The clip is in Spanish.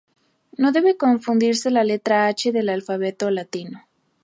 No debe confundirse con la letra h del alfabeto latino.